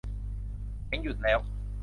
เสียงหยุดแล้ว